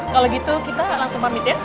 kalau gitu kita langsung pamit ya